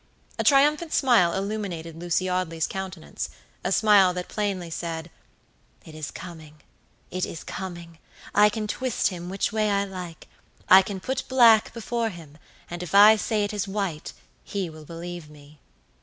A triumphant smile illuminated Lucy Audley's countenance, a smile that plainly said, "It is comingit is coming; I can twist him which way I like. I can put black before him, and if I say it is white, he will believe me."